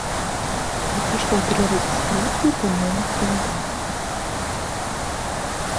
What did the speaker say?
Не прайшла перарэгістрацыю па новым заканадаўстве.